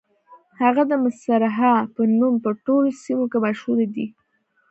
هغه د مصرعها په نوم په ټولو سیمو کې مشهورې دي.